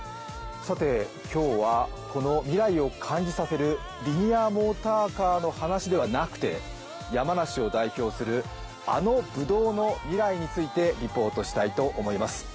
今日はこの未来を感じさせるリニアモーターカーの話ではなくて山梨を代表する、あのぶどうの未来についてリポートしたいと思います。